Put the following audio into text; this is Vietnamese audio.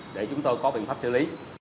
để chúng tôi có biện pháp xử lý